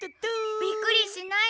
えっびっくりしないの？